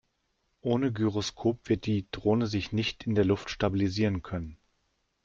Ohne Gyroskop wird die Drohne sich nicht in der Luft stabilisieren können.